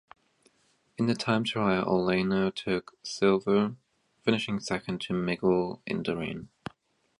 In the time trial, Olano took silver, finishing second to Miguel Indurain.